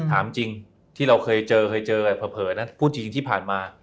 ถามจริงที่เราเคยเจอพูดจริงที่ผ่านมา